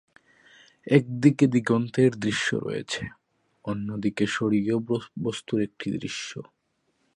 একদিকে দিগন্তের দৃশ্য রয়েছে; অন্যদিকে, স্বর্গীয় বস্তুর একটি দৃশ্য।